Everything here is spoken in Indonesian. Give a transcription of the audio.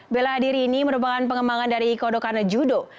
bela diri ini merupakan pengembangan dari kodokan judo